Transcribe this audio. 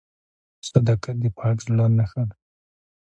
• صداقت د پاک زړه نښه ده.